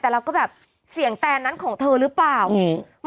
แต่เราก็แบบเสียงแตนนั้นของเธอหรือเปล่าอืม